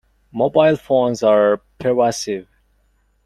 Mobile phones are pervasive.